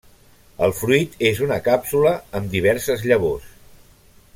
El fruit és una càpsula amb diverses llavors.